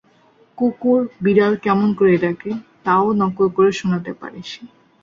কুকুর, বিড়াল কেমন করে ডাকে, তা–ও নকল করে শোনাতে পারে সে।